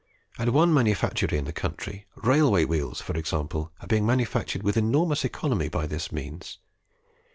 At one manufactory in the country, railway wheels, for example, are being manufactured with enormous economy by this means.